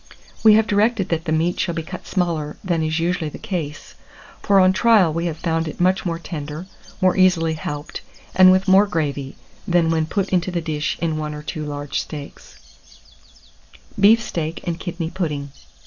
We have directed that the meat shall be cut smaller than is usually the case; for on trial we have found it much more tender, more easily helped, and with more gravy, than when put into the dish in one or two large steaks. [Illustration: SHERRY PUDDING DISH.] BEEF STEAK AND KIDNEY PUDDING.